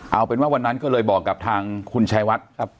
เอาเป็นว่าวันนั้นก็เลยบอกกับทางคุณชายวัดครับ